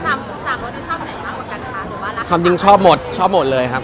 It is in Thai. นำสุดสามเขาที่ชอบไหนมากกว่ากันค่ะหรือว่าล่ะคำจริงชอบหมดชอบหมดเลยครับ